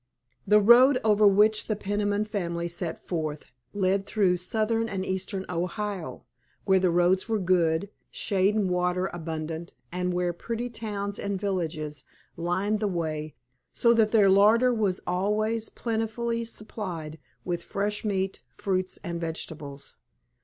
* The road over which the Peniman family set forth led through southern and eastern Ohio, where the roads were good, shade and water abundant, and where pretty towns and villages lined the way, so that their larder was always plentifully supplied with fresh meat, fruits, and vegetables.